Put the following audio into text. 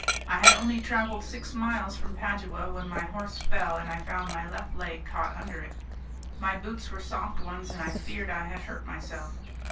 I had only travelled six miles from Padua when my horse fell, and I found my left leg caught under it. My boots were soft ones, and I feared I had hurt myself.